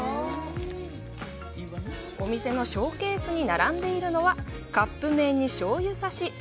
お店のショーケースに並んでいるのはカップ麺にしょうゆ差し